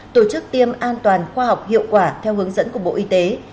tổ chức tiêm an toàn khoa học hiệu quả theo hướng dẫn của bộ y tế